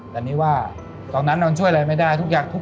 แต่นี่ว่าตอนนั้นมันช่วยอะไรไม่ได้